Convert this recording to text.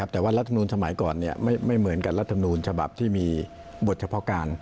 แต่ว่ารัฐมนูลสมัยก่อนไม่เหมือนกับรัฐมนูลฉบับที่มีบทเฉพาะการ